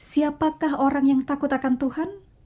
siapakah orang yang takut akan tuhan